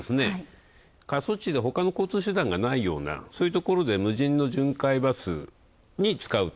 過疎地で、ほかの交通手段がないようなそういうところで無人の巡回バスに使うと。